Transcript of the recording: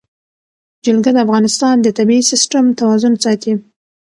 جلګه د افغانستان د طبعي سیسټم توازن ساتي.